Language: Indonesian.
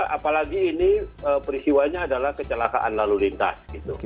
apalagi ini peristiwanya adalah kecelakaan lalu lintas